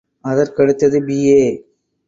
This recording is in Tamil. அதற்கடுத்து பி.ஏ.